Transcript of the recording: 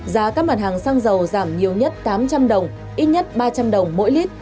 giá các mặt hàng xăng dầu giảm nhiều nhất tám trăm linh đồng ít nhất ba trăm linh đồng mỗi lít